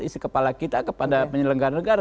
isi kepala kita kepada penyelenggara negara